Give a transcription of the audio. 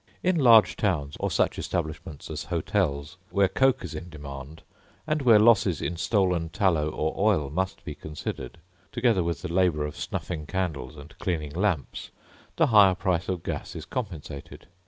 In large towns, or such establishments as hotels, where coke is in demand, and where losses in stolen tallow or oil must be considered, together with the labour of snuffing candles and cleaning lamps, the higher price of gas is compensated.